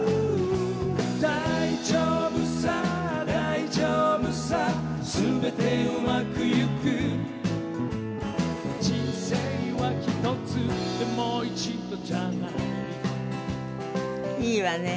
「大丈夫さ大丈夫さ」「すべてうまくゆく」「人生はひとつでも一度じゃない」いいわね。